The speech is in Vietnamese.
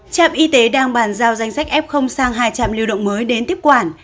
trạm y tế đang bàn giao danh sách f sang hai trạm lưu động mới đến tiếp quản